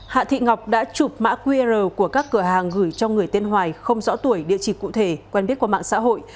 hạ thị ngọc đã chụp mã qr của các cửa hàng gửi cho người tên hoài không rõ tuổi địa chỉ cụ thể quen biết qua mạng xã hội